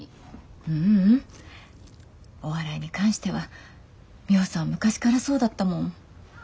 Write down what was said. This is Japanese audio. ううんお笑いに関してはミホさんは昔からそうだったもん。